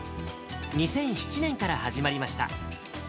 ２００７年から始まりました。